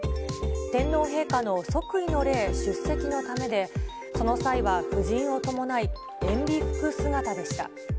天皇陛下の即位の礼出席のためで、その際は夫人を伴い、えんび服姿でした。